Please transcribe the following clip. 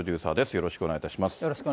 よろしくお願いします。